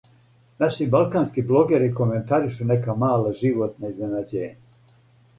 Наши балкански блогери коментаришу нека мала животна изненађења.